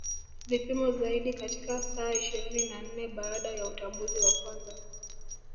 Vipimo zaidi katika saa ishirini na nne baada ya utambuzi wa kwanza